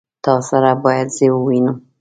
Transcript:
تا سره بايد زه ووينم.